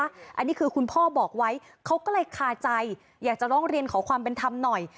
อันนี้คือคุณพ่อบอกไว้เขาก็เลยคาใจอยากจะร้องเรียนขอความเป็นธรรมหน่อย